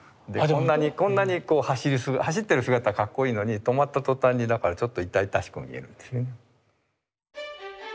こんなに走ってる姿はかっこいいのに止まった途端にちょっと痛々しく見えるんですよね。